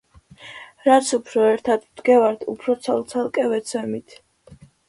რაც უფრო ერთად ვდგევართ, უფრო ცალ-ცალკე ვეცემით.